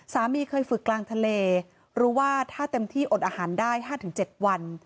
เคยฝึกกลางทะเลรู้ว่าถ้าเต็มที่อดอาหารได้๕๗วัน